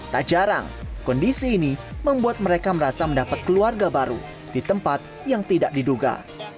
tak jarang kondisi ini membuat mereka merasa mendapat keluarga baru di tempat yang tidak diduga